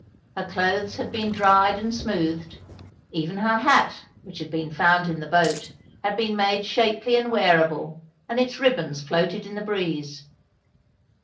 Her clothes had been dried and smoothed; even her hat, which had been found in the boat, had been made shapely and wearable, and its ribbons floated in the breeze.